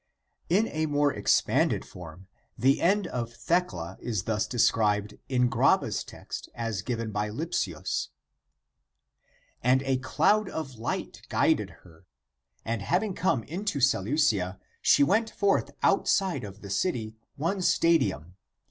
In a more expanded form the end of Thecla is thus de scribed in Grabe's text as given by Lipsius, 1. c. p. 271 ff. :" And a cloud of light guided her. And having come into Seleucia, she went forth outside of the city one stadium.